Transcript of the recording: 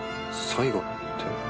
最後って。